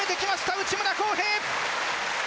内村航平！